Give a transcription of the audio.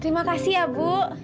terima kasih ya bu